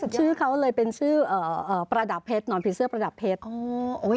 ชื่อเขาเลยเป็นชื่อหนอนผีเสื้อประดับเพชร